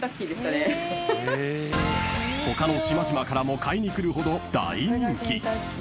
［他の島々からも買いに来るほど大人気］